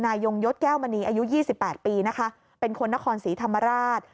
ยงยศแก้วมณีอายุ๒๘ปีนะคะเป็นคนนครศรีธรรมราช